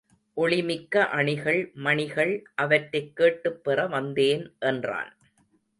ஒளி மிக்க அணிகள் மணிகள் அவற்றைக் கேட்டுப் பெற வந்தேன் என்றான்.